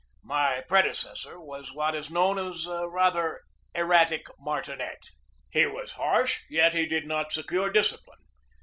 My predecessor was what is known as a rather erratic martinet. He was harsh, yet he did not secure discipline.